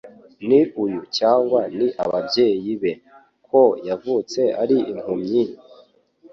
ni uyu cyangwa ni ababyeyi be, ko yavutse ari impumyi?